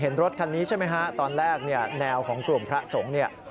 รถคันนี้ใช่ไหมฮะตอนแรกเนี่ยแนวของกลุ่มพระสงฆ์เนี่ย